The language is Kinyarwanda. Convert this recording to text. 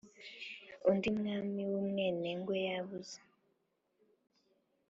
undi mwami w'umwenengwe yabuze